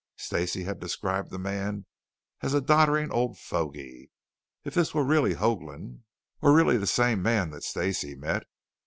Stacey had described the man as a doddering old fogy, if this were really Hoagland, or really the same man that Stacey met.